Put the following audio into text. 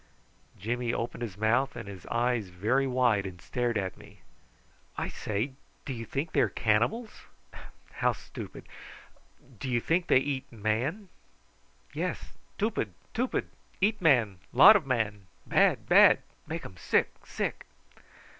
Jimmy opened his mouth and his eyes very wide and stared at me. "I say, do you think they are cannibals? How stupid! Do you think they eat man?" "Yes; 'tupid, 'tupid. Eat man, lot o' man. Bad, bad. Make um sick, sick."